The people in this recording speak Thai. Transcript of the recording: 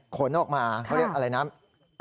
ขนออกมาเขาเรียกอะไรนะ